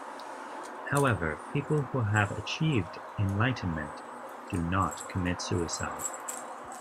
However, people who have achieved enlightenment do not commit suicide.